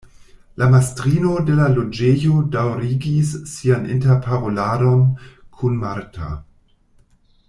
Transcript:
La mastrino de la loĝejo daŭrigis sian interparoladon kun Marta.